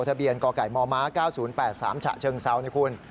ทะเบียนกไก่มม๙๐๘๓ฉะเชิงเซานะคุณ